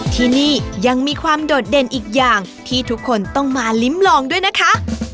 ที่นี่ยังมีความโดดเด่นอีกอย่างที่ทุกคนต้องมาลิ้มลองด้วยนะคะ